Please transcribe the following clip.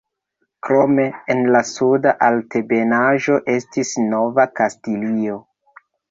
Krome, en la Suda Altebenaĵo estis Nova Kastilio.